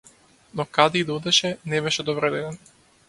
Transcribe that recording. Но каде и да одеше, не беше добредојден.